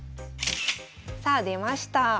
さあ出ました。